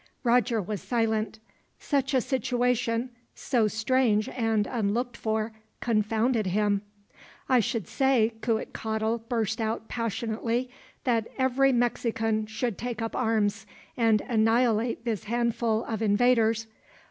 Roger was silent. Such a situation, so strange and unlooked for, confounded him. "I should say," Cuitcatl burst out passionately, "that every Mexican should take up arms, and annihilate this handful of invaders.